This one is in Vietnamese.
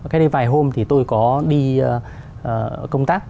cái này vài hôm thì tôi có đi công tác